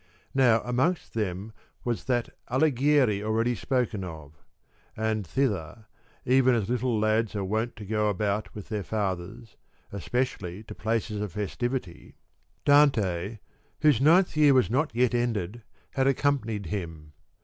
Now amongst mem was that Alighieri already spoken of; and thither (even as little lads are wont to go about with their fath ers, especially to places of festivity) Dante, whose ninth year was not yet ended, had accompanied him.